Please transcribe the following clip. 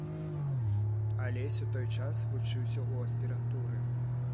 Алесь у той час вучыўся ў аспірантуры.